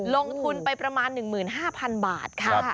ลงทุนไปประมาณ๑๕๐๐๐บาทค่ะ